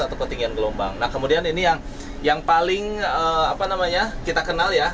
atau ketinggian gelombang nah kemudian ini yang yang paling apa namanya kita kenal ya